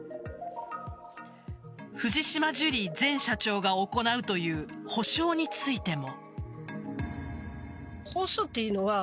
藤島ジュリー前社長が行うという補償についても。